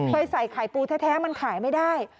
เคยใส่ไข่ปูแท้มันขายไม่ได้